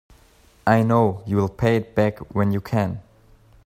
I know you'll pay it back when you can.